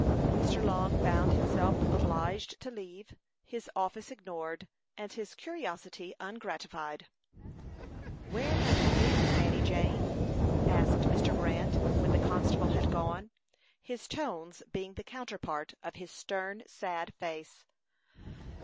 Mr. Long found himself obliged to leave, his office ignored, and his curiosity ungratified. "Where have you been, Fanny Jane?" asked Mr. Grant, when the constable had gone, his tones being the counterpart of his stern, sad face.